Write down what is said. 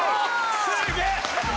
すげえ！